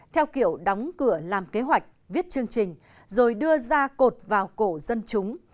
theo kiểu đóng cửa làm kế hoạch viết chương trình rồi đưa ra cột vào cổ dân chúng